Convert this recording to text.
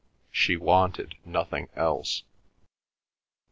She wanted nothing else.